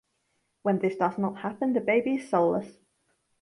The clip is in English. When this does not happen the baby is soulless.